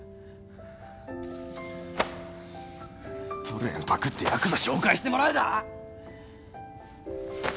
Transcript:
トルエンパクってヤクザ紹介してもらうだ？